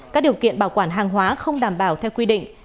các điều kiện bảo quản hàng hóa không đảm bảo theo quy định